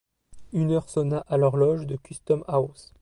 Une heure sonna à l’horloge de Custom-house.